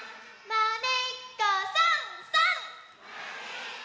「まねっこさんさん」